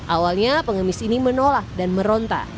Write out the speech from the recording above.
awalnya pengemis ini menolak dan meronta